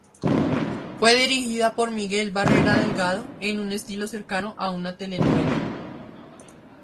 Fue dirigida por Miguel Barreda Delgado en un estilo cercano a una telenovela.